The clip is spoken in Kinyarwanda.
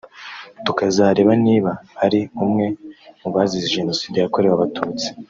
tukazareba niba ari umwe mubazize Jenoside yakorewe Abatutsi